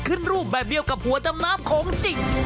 ขึ้นรูปแบบเดียวกับหัวดำน้ำของจริง